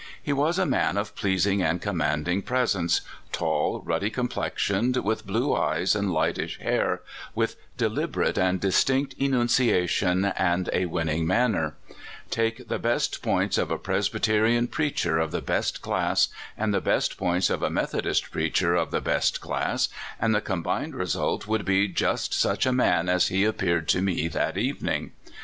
He was a man of pleasing and commandii:^ presence, tall, ruddy complexioned, with blue eyee, and liglit isli hair, wdth deliberate and distinct enunciation, and a winning manner. Take the best points of a (135) 136 Dr. Eleazar Thomas. Presbyterian preacher of the be.st class, and the best points of a Methodist preacher of the best clasB, and the combined result would hi just sucli a man as he appeared to me that evening.